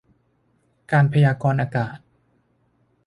การพยากรณ์อากาศ